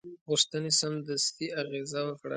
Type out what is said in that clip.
غوښتنې سمدستي اغېزه وکړه.